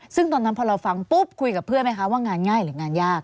ซึ่งตอนนั้นพอเราฟังปุ๊บคุยกับเพื่อนไหมคะว่างานง่ายหรืองานยาก